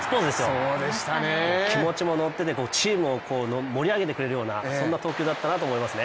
もう気持ちも乗ってて、チームを盛り上げてくれるような投球だったなと思いますね。